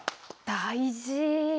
大事。